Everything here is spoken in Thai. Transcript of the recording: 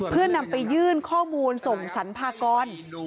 เพื่อนำไปยื่นข้อมูลส่งสรรพากร